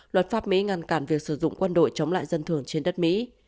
luật pháp mỹ ngăn cản việc sử dụng quân đội chống lại dân thường trên đất mỹ